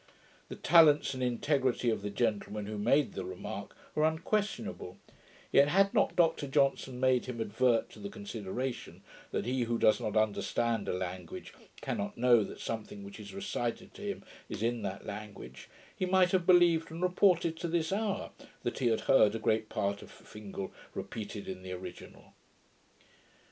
The talents and integrity of the gentleman who made the remark, are unquestionable; yet, had not Dr Johnson made him advert to the consideration, that he who does not understand a language, cannot know that something which is recited to him is in that language, he might have believed, and reported to this hour, that he had 'heard a great part of Fingal repeated in the original'.